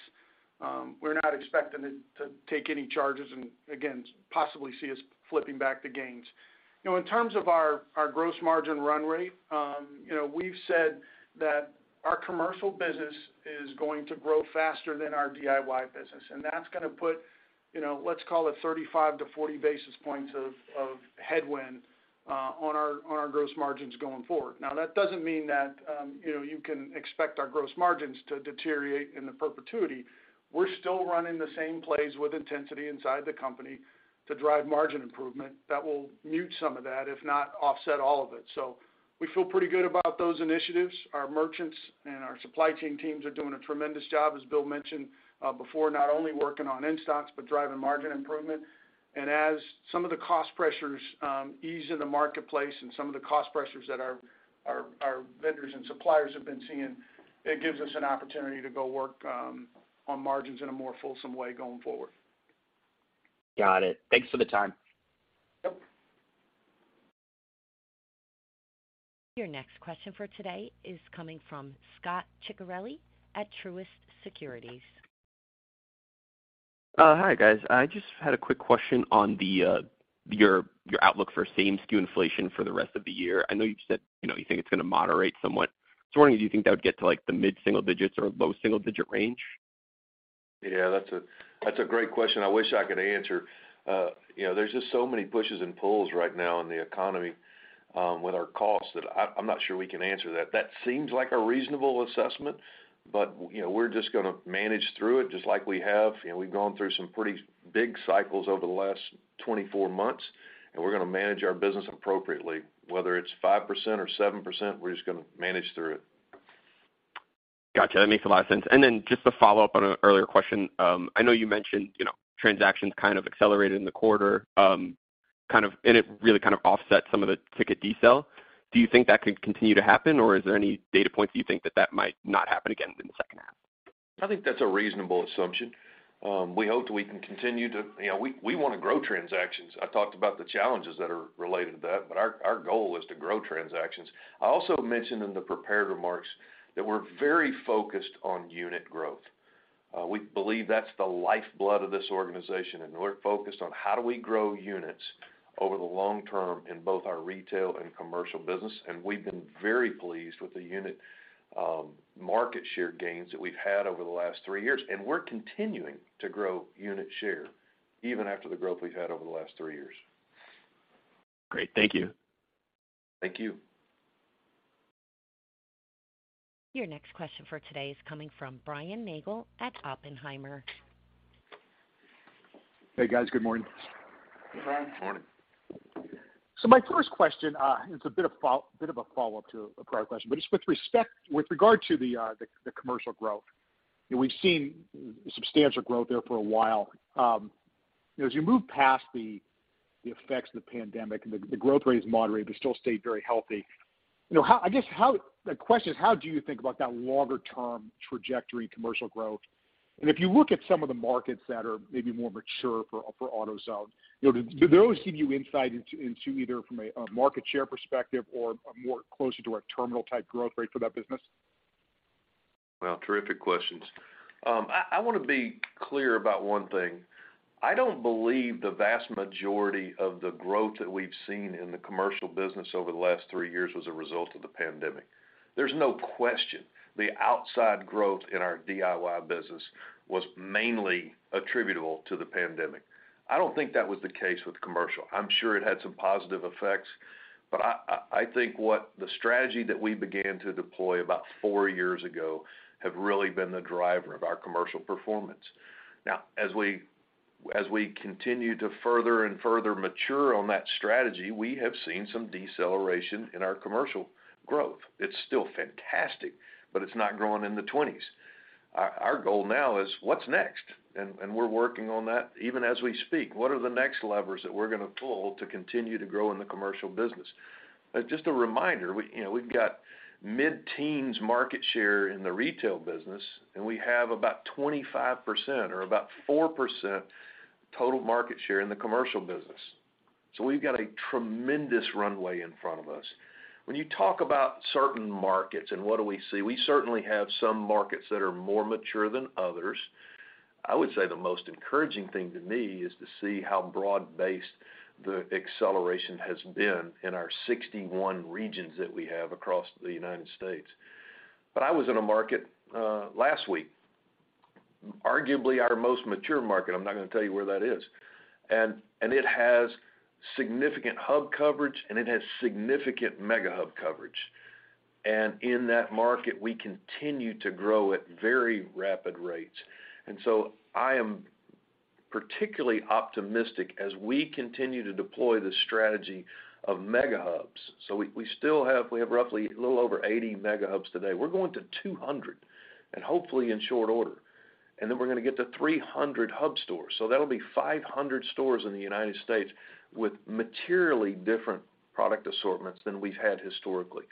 we're not expecting it to take any charges and, again, possibly see us flipping back to gains. You know, in terms of our gross margin run rate, you know, we've said that our commercial business is going to grow faster than our DIY business, and that's gonna put You know, let's call it 35-40 basis points of headwind on our gross margins going forward. That doesn't mean that, you know, you can expect our gross margins to deteriorate into perpetuity. We're still running the same plays with intensity inside the company to drive margin improvement that will mute some of that, if not offset all of it. We feel pretty good about those initiatives. Our merchants and our supply chain teams are doing a tremendous job, as Bill mentioned, before, not only working on in-stocks, but driving margin improvement. As some of the cost pressures ease in the marketplace and some of the cost pressures that our vendors and suppliers have been seeing, it gives us an opportunity to go work on margins in a more fulsome way going forward. Got it. Thanks for the time. Yep. Your next question for today is coming from Scot Ciccarelli at Truist Securities. Hi, guys. I just had a quick question on the your outlook for same-SKU inflation for the rest of the year. I know you've said, you know, you think it's gonna moderate somewhat. Just wondering, do you think that would get to, like, the mid-single digits or low single-digit range? Yeah, that's a great question I wish I could answer. You know, there's just so many pushes and pulls right now in the economy, with our costs that I'm not sure we can answer that. That seems like a reasonable assessment, you know, we're just gonna manage through it just like we have. You know, we've gone through some pretty big cycles over the last 24 months, we're gonna manage our business appropriately. Whether it's 5% or 7%, we're just gonna manage through it. Got you. That makes a lot of sense. Then just to follow up on an earlier question. I know you mentioned, you know, transactions kind of accelerated in the quarter, and it really kind of offset some of the ticket decel. Do you think that could continue to happen, or is there any data point do you think that that might not happen again in the second half? I think that's a reasonable assumption. You know, we wanna grow transactions. I talked about the challenges that are related to that, but our goal is to grow transactions. I also mentioned in the prepared remarks that we're very focused on unit growth. We believe that's the lifeblood of this organization. We're focused on how do we grow units over the long term in both our retail and commercial business. We've been very pleased with the unit market share gains that we've had over the last three years. We're continuing to grow unit share even after the growth we've had over the last three years. Great. Thank you. Thank you. Your next question for today is coming from Brian Nagel at Oppenheimer. Hey, guys. Good morning. Good morning. Morning. My first question is a bit of a follow-up to a prior question, but it's with regard to the commercial growth. You know, we've seen substantial growth there for a while. You know, as you move past the effects of the pandemic, the growth rate has moderated but still stayed very healthy. You know, I guess, the question is: How do you think about that longer term trajectory commercial growth? If you look at some of the markets that are maybe more mature for AutoZone, you know, do those give you insight into either from a market share perspective or more closer to a terminal type growth rate for that business? Well, terrific questions. I wanna be clear about one thing. I don't believe the vast majority of the growth that we've seen in the commercial business over the last three years was a result of the pandemic. There's no question the outside growth in our DIY business was mainly attributable to the pandemic. I don't think that was the case with commercial. I'm sure it had some positive effects, but I think what the strategy that we began to deploy about four years ago have really been the driver of our commercial performance. As we continue to further and further mature on that strategy, we have seen some deceleration in our commercial growth. It's still fantastic, but it's not growing in the twenties. Our goal now is what's next? We're working on that even as we speak. What are the next levers that we're gonna pull to continue to grow in the commercial business? Just a reminder, we, you know, we've got mid-teens market share in the retail business, and we have about 25% or about 4% total market share in the commercial business. We've got a tremendous runway in front of us. When you talk about certain markets and what do we see, we certainly have some markets that are more mature than others. I would say the most encouraging thing to me is to see how broad-based the acceleration has been in our 61 regions that we have across the United States. I was in a market last week, arguably our most mature market. I'm not gonna tell you where that is. It has significant hub coverage, and it has significant Mega Hub coverage. In that market, we continue to grow at very rapid rates. I am particularly optimistic as we continue to deploy the strategy of Mega Hubs. We have roughly a little over 80 Mega Hubs today. We're going to 200 and hopefully in short order. We're gonna get to 300 hub stores. That'll be 500 stores in the United States with materially different product assortments than we've had historically.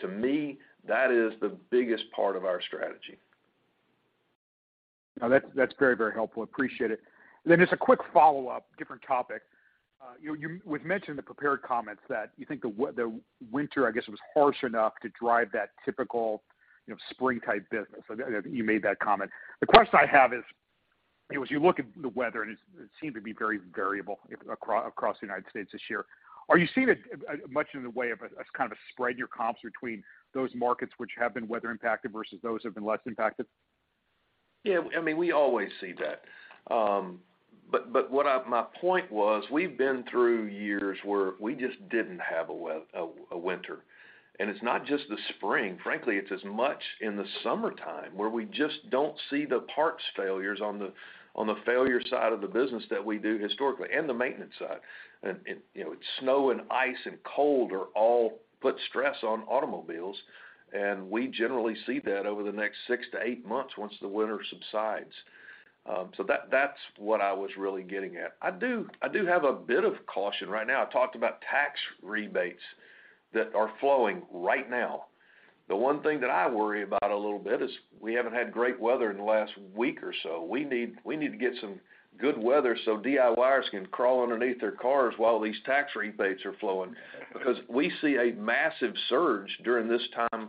To me, that is the biggest part of our strategy. No, that's very, very helpful. Appreciate it. Just a quick follow-up, different topic. was mentioned in the prepared comments that you think the winter, I guess, was harsh enough to drive that typical, you know, spring type business. I know that you made that comment. The question I have is, you know, as you look at the weather, and it seemed to be very variable across the United States this year. Are you seeing it, much in the way of a, as kind of a spread in your comps between those markets which have been weather impacted versus those who have been less impacted? Yeah, I mean, we always see that. My point was, we've been through years where we just didn't have a winter. It's not just the spring, frankly, it's as much in the summertime, where we just don't see the parts failures on the failure side of the business that we do historically, and the maintenance side. You know, snow and ice and cold are all put stress on automobiles, and we generally see that over the next six to eight months once the winter subsides. That's what I was really getting at. I do have a bit of caution right now. I talked about tax rebates that are flowing right now. The one thing that I worry about a little bit is we haven't had great weather in the last week or so. We need to get some good weather so DIYers can crawl underneath their cars while these tax rebates are flowing. We see a massive surge during this time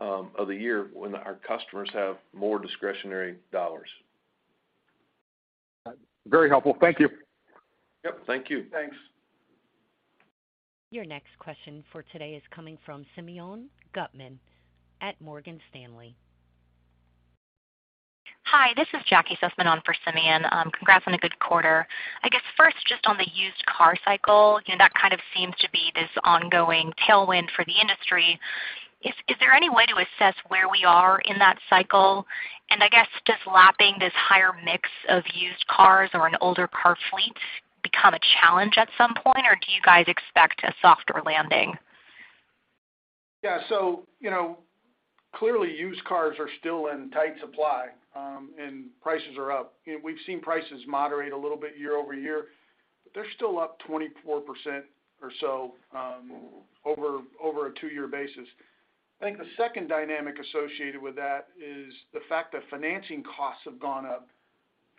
of the year when our customers have more discretionary dollars. Very helpful. Thank you. Yep. Thank you. Thanks. Your next question for today is coming from Simeon Gutman at Morgan Stanley. Hi, this is Jackie Sussman on for Simeon. Congrats on a good quarter. I guess first, just on the used car cycle, you know, that kind of seems to be this ongoing tailwind for the industry. Is there any way to assess where we are in that cycle? I guess, does lapping this higher mix of used cars or an older car fleet become a challenge at some point, or do you guys expect a softer landing? You know, clearly, used cars are still in tight supply, and prices are up. You know, we've seen prices moderate a little bit year-over-year, but they're still up 24% or so, over a two-year basis. I think the second dynamic associated with that is the fact that financing costs have gone up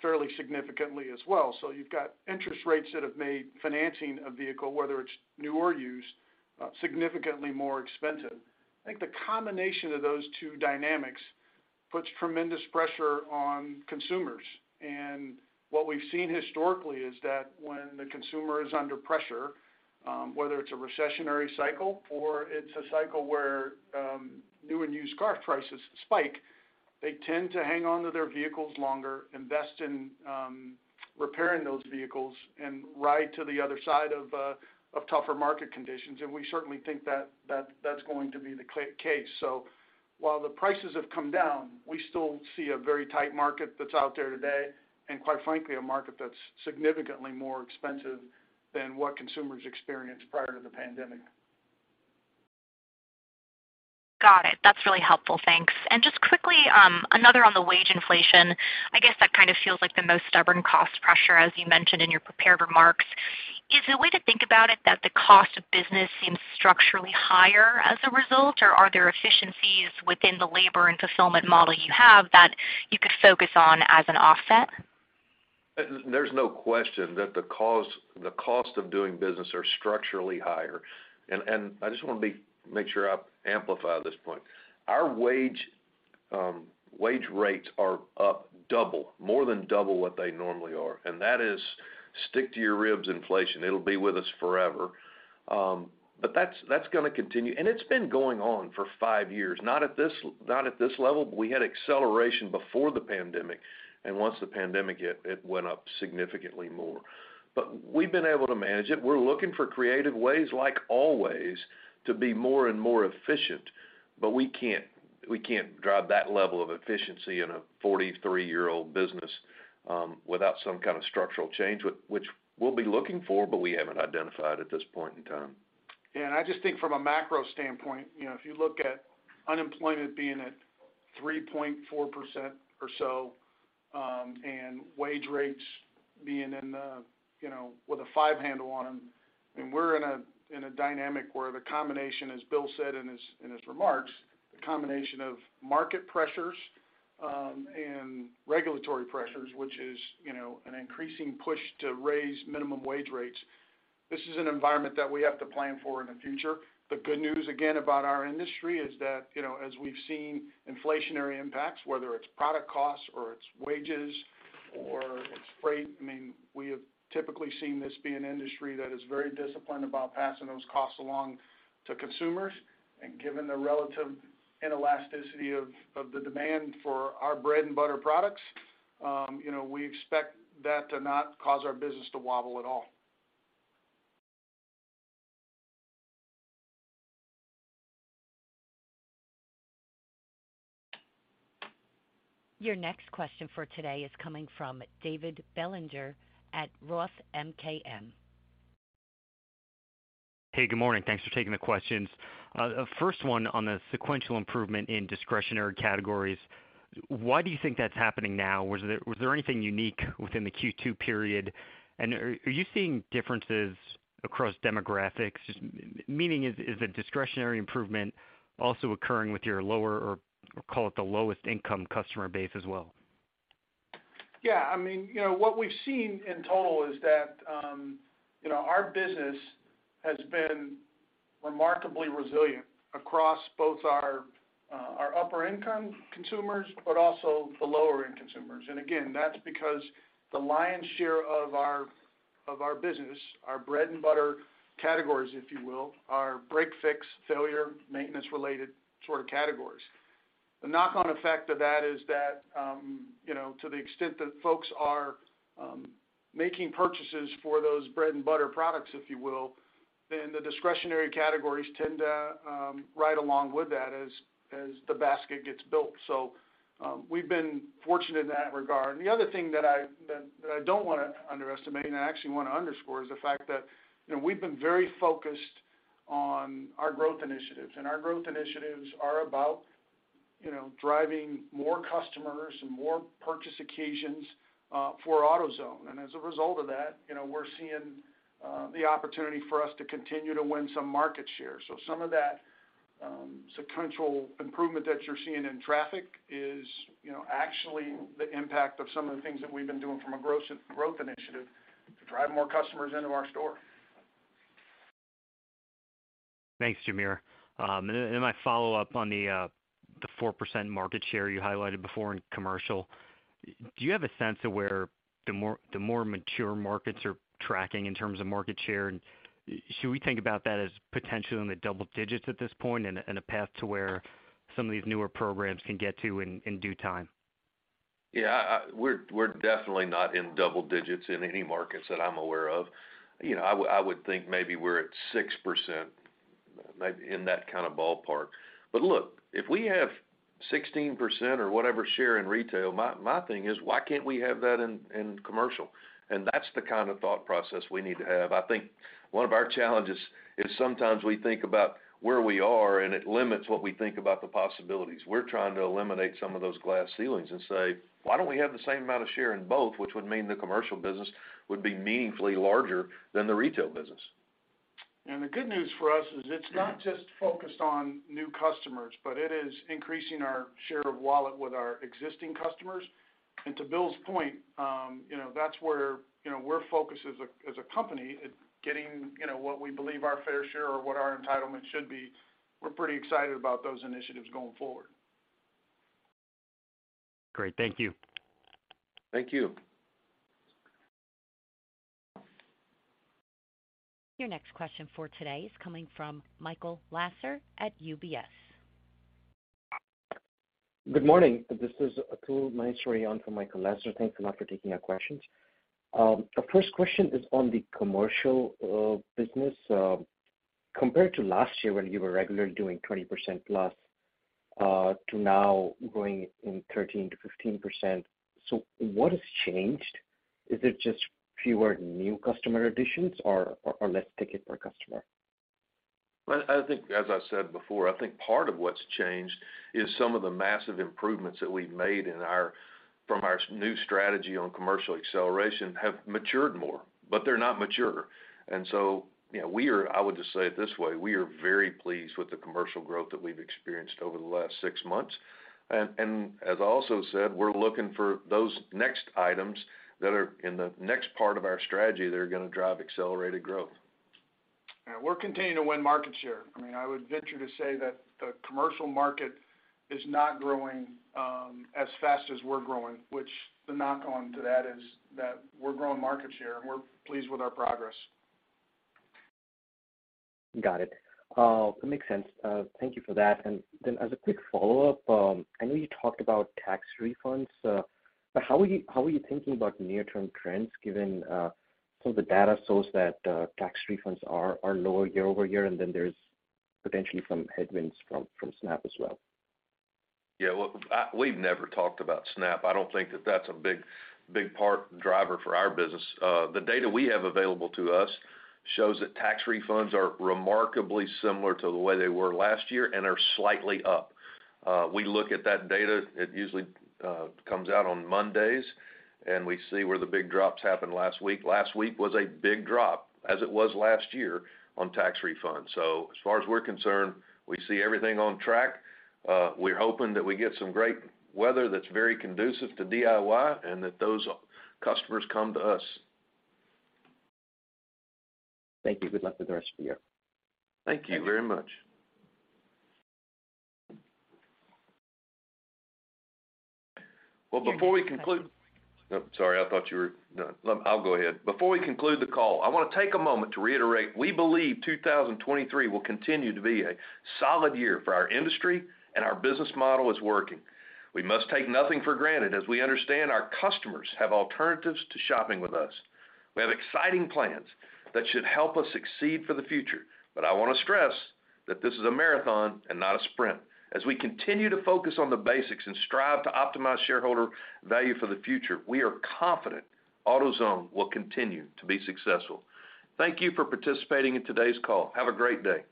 fairly significantly as well. You've got interest rates that have made financing a vehicle, whether it's new or used, significantly more expensive. I think the combination of those two dynamics puts tremendous pressure on consumers. What we've seen historically is that when the consumer is under pressure, whether it's a recessionary cycle or it's a cycle where new and used car prices spike, they tend to hang on to their vehicles longer, invest in repairing those vehicles and ride to the other side of tougher market conditions. We certainly think that's going to be the case. While the prices have come down, we still see a very tight market that's out there today, and quite frankly, a market that's significantly more expensive than what consumers experienced prior to the pandemic. Got it. That's really helpful. Thanks. Just quickly, another on the wage inflation. I guess that kind of feels like the most stubborn cost pressure, as you mentioned in your prepared remarks. Is a way to think about it that the cost of business seems structurally higher as a result, or are there efficiencies within the labor and fulfillment model you have that you could focus on as an offset? There's no question that the cost of doing business are structurally higher. I just make sure I amplify this point. Our wage wage rates are up double, more than double what they normally are, that is stick to your ribs inflation. It'll be with us forever. That's gonna continue. It's been going on for five years, not at this, not at this level, but we had acceleration before the pandemic. Once the pandemic hit, it went up significantly more. We've been able to manage it. We're looking for creative ways, like always, to be more and more efficient. We can't drive that level of efficiency in a 43-year-old business without some kind of structural change, which we'll be looking for, but we haven't identified at this point in time. Yeah. I just think from a macro standpoint, you know, if you look at unemployment being at 3.4% or so, and wage rates being in the, you know, with a five handle on them, and we're in a dynamic where the combination, as Bill said in his remarks, the combination of market pressures, and regulatory pressures, which is, you know, an increasing push to raise minimum wage rates, this is an environment that we have to plan for in the future. The good news, again, about our industry is that, you know, as we've seen inflationary impacts, whether it's product costs or it's wages or it's freight, I mean, we have typically seen this be an industry that is very disciplined about passing those costs along to consumers. given the relative inelasticity of the demand for our bread and butter products, you know, we expect that to not cause our business to wobble at all. Your next question for today is coming from David Bellinger at Roth MKM. Hey, good morning. Thanks for taking the questions. First one on the sequential improvement in discretionary categories. Why do you think that's happening now? Was there anything unique within the Q2 period? Are you seeing differences across demographics? Meaning, is the discretionary improvement also occurring with your lower, or call it the lowest income customer base as well? Yeah. I mean, you know, what we've seen in total is that, our business has been remarkably resilient across both our upper income consumers, but also the lower end consumers. Again, that's because the lion's share of our business, our bread-and-butter categories, if you will, are break, fix, failure, maintenance related sort of categories. The knock-on effect of that is that, to the extent that folks are making purchases for those bread-and-butter products, if you will, then the discretionary categories tend to ride along with that as the basket gets built. We've been fortunate in that regard. The other thing that I don't wanna underestimate, and I actually wanna underscore, is the fact that we've been very focused on our growth initiatives. Our growth initiatives are about, you know, driving more customers and more purchase occasions for AutoZone. As a result of that, you know, we're seeing the opportunity for us to continue to win some market share. Some of that sequential improvement that you're seeing in traffic is, you know, actually the impact of some of the things that we've been doing from a growth initiative to drive more customers into our store. Thanks, Jamere. I follow up on the 4% market share you highlighted before in commercial. Do you have a sense of where the more, the more mature markets are tracking in terms of market share? Should we think about that as potentially in the double-digits at this point, and a, and a path to where some of these newer programs can get to in due time? Yeah, we're definitely not in double-digits in any markets that I'm aware of. You know, I would think maybe we're at 6% in that kinda ballpark. Look, if we have 16% or whatever share in retail, my thing is, why can't we have that in commercial? That's the kind of thought process we need to have. I think one of our challenges is sometimes we think about where we are, and it limits what we think about the possibilities. We're trying to eliminate some of those glass ceilings and say, "Why don't we have the same amount of share in both?" Which would mean the commercial business would be meaningfully larger than the retail business. The good news for us is it's not just focused on new customers, but it is increasing our share of wallet with our existing customers. To Bill's point, you know, that's where, you know, we're focused as a, as a company at getting, you know, what we believe our fair share or what our entitlement should be. We're pretty excited about those initiatives going forward. Great. Thank you. Thank you. Your next question for today is coming from Michael Lasser at UBS. Good morning. This is Atul Maheswari from Michael Lasser. Thanks a lot for taking our questions. Our first question is on the commercial business. Compared to last year when you were regularly doing 20%+ to now growing in 13%-15%. What has changed? Is it just fewer new customer additions or less ticket per customer? I think as I said before, I think part of what's changed is some of the massive improvements that we've made from our new strategy on commercial acceleration have matured more, but they're not mature. You know, I would just say it this way: we are very pleased with the commercial growth that we've experienced over the last six months. As I also said, we're looking for those next items that are in the next part of our strategy that are gonna drive accelerated growth. Yeah. We're continuing to win market share. I mean, I would venture to say that the commercial market is not growing, as fast as we're growing, which the knock-on to that is that we're growing market share, and we're pleased with our progress. Got it. That makes sense. Thank you for that. As a quick follow-up, I know you talked about tax refunds. How are you thinking about near-term trends given some of the data shows that tax refunds are lower year-over-year, and then there's potentially some headwinds from SNAP as well? Well, we've never talked about SNAP. I don't think that that's a big part driver for our business. The data we have available to us shows that tax refunds are remarkably similar to the way they were last year and are slightly up. We look at that data, it usually comes out on Mondays, and we see where the big drops happened last week. Last week was a big drop, as it was last year on tax refunds. As far as we're concerned, we see everything on track. We're hoping that we get some great weather that's very conducive to DIY and that those customers come to us. Thank you. Good luck with the rest of the year. Thank you very much. Before we conclude the call, I wanna take a moment to reiterate we believe 2023 will continue to be a solid year for our industry, and our business model is working. We must take nothing for granted as we understand our customers have alternatives to shopping with us. We have exciting plans that should help us succeed for the future. I wanna stress that this is a marathon and not a sprint. As we continue to focus on the basics and strive to optimize shareholder value for the future, we are confident AutoZone will continue to be successful. Thank you for participating in today's call. Have a great day.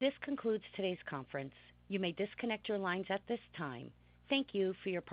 This concludes today's conference. You may disconnect your lines at this time. Thank you for your participation.